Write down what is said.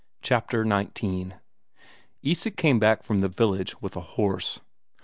Chapter XIX Isak came back from the village with a horse.